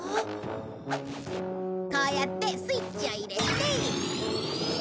こうやってスイッチを入れて。